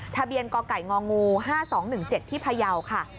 ทะเบียนกไก่ง๕๒๑๗ที่พยาวค่ะ